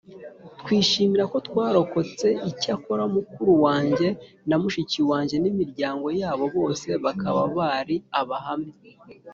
Twishimira ko twarokotse Icyakora mukuru wanjye na mushiki wanjye n imiryango yabo bose bakaba bari Abahamya